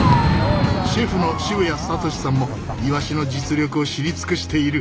シェフの渋谷聡さんもイワシの実力を知り尽くしている。